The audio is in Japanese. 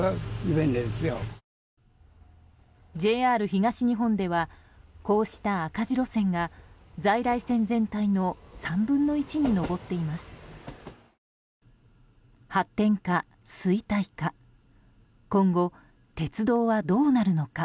ＪＲ東日本ではこうした赤字路線が在来線全体の３分の１に上っています。発展か、衰退か。